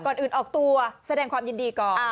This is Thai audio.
ก่อนอื่นออกตัวแสดงความยินดีก่อน